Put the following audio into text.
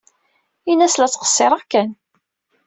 Ini-as la ttqeṣṣireɣ kan.